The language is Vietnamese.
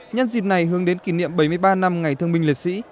nhân dịp này hướng đến kỷ niệm bảy mươi ba năm ngày thương minh liệt sĩ